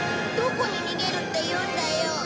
どこに逃げるっていうんだよ。